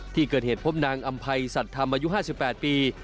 ที่เกิดเหตุพบนางอำภัยสัตว์ธรรมอายุ๕๘ปี